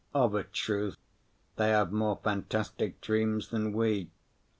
Of a truth, they have more fantastic dreams than we.